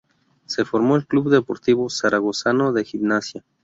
Se formó en el Club Deportivo Zaragozano de Gimnasia.